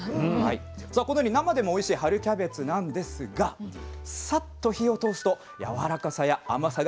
さあこのように生でもおいしい春キャベツなんですがさっと火を通すとやわらかさや甘さがぐっと引き立つんです。